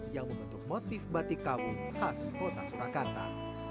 yang membentuk motif batik kawung khas kota surakarta